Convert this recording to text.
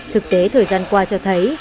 thực tế thời gian qua cho thấy